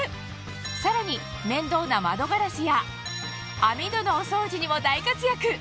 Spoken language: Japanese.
さらに面倒な窓ガラスや網戸のお掃除にも大活躍！